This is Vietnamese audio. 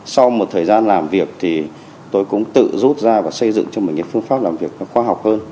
sau một thời gian làm việc thì tôi cũng tự rút ra và xây dựng cho mình cái phương pháp làm việc nó khoa học hơn